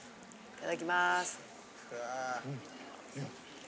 いただきます。